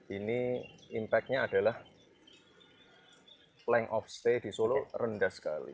ini impactnya adalah lengk of stay di solo rendah sekali